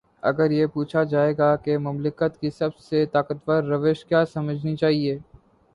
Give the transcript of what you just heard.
اگر یہ پوچھا جائے کہ مملکت کی سب سے طاقتور روش کیا سمجھنی چاہیے۔